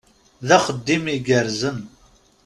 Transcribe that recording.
D axeddim igerrzen.